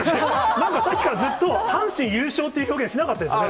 なんかさっきからずっと、阪神優勝っていう表現、しなかったですよね。